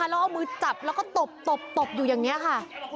แล้วเอามือจับแล้วก็ตบตบอยู่อย่างนี้ค่ะ